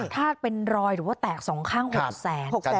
ถ้าเป็นรอยหรือว่าแตก๒ข้าง๖แสน